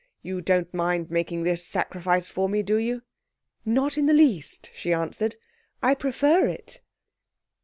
You don't mind making this sacrifice for me, do you?' 'Not in the least,' she answered. 'I prefer it.'